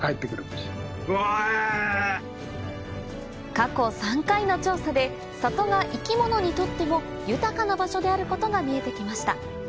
過去３回の調査で里が生き物にとっても豊かな場所であることが見えて来ました